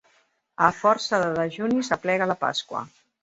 A força de dejunis aplega la Pasqua.